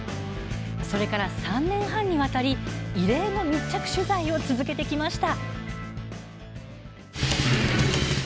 それから３年半にわたり異例の密着取材を続けてきました。